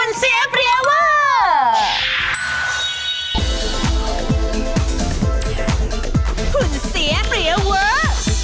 หุ้นเสียเปรี้ยวเวอร์